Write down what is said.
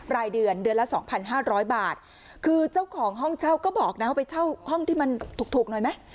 รายเดือนเดือนละ๒๕๐๐บาทคือเจ้าของห้องเช่าก็บอกนะว่าไปเช่าห้องที่มันถูกหน่อยไหม